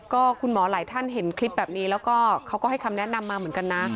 ก็คุณหมอหลายท่านเห็นคลิปแบบนี้แล้วก็เขาก็ให้คำแนะนำมาเหมือนกันนะ